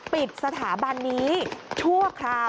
ปิดสถาบันนี้ชั่วคราว